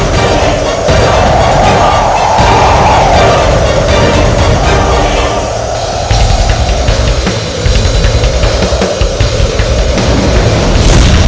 tidak m js